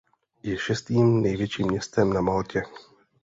Je šestým největším městem na Maltě.